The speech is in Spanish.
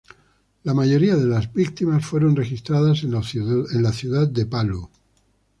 La mayoría de las víctimas fueron registradas en la ciudad de Palu.